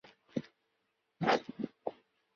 平野神社。